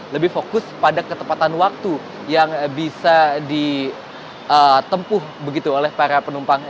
lebih fokus pada ketepatan waktu yang bisa ditempuh begitu oleh para penumpang